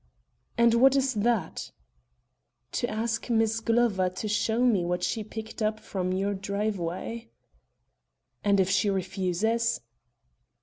"And what is that?" "To ask Miss Glover to show me what she picked up from your driveway." "And if she refuses?"